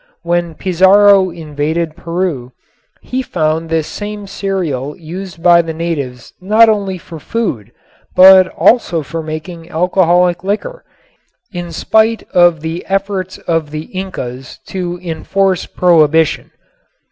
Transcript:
When Pizarro invaded Peru he found this same cereal used by the natives not only for food but also for making alcoholic liquor, in spite of the efforts of the Incas to enforce prohibition.